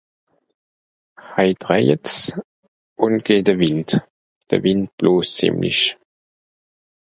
Hait rajet's ùn geht de Wind. De Wind bloost ziemlich.